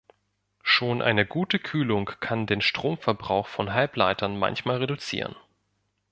Schon eine gute Kühlung kann den Stromverbrauch von Halbleitern manchmal reduzieren.